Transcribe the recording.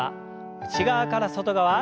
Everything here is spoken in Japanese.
内側から外側。